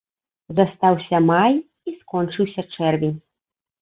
Застаўся май, і скончыўся чэрвень.